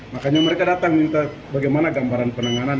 makanya mereka datang minta bagaimana gambaran penanganan